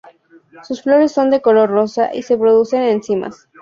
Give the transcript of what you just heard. Sus flores son de color rosa y se producen en cimas.